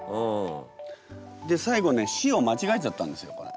で最後ね「し」を間違えちゃったんですよこれ。